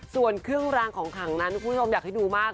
ส่วนเครื่องรางของขังนั้นคุณผู้ชมอยากให้ดูมาก